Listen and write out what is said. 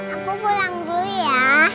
aku pulang dulu ya